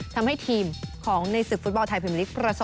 ทำให้ทีมของในศึกฟุตบอลไทยพิมพลิกประสบ